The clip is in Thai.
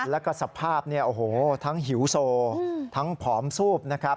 แล้วก็สภาพทั้งหิวโซทั้งผอมซูบนะครับ